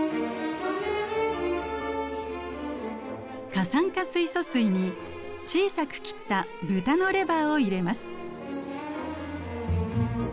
過酸化水素水に小さく切ったブタのレバーを入れます。